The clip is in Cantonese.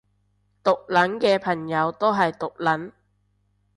毒撚嘅朋友都係毒撚